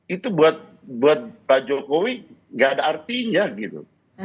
itu buat pak jokowi gak ada artinya gitu